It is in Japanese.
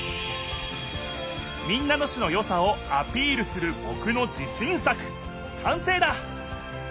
民奈野市のよさをアピールするぼくの自しん作かんせいだ！